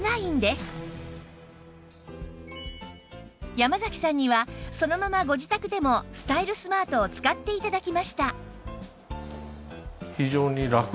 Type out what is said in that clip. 山嵜さんにはそのままご自宅でもスタイルスマートを使って頂きました